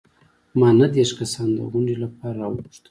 ما نهه دیرش کسان د غونډې لپاره راوغوښتل.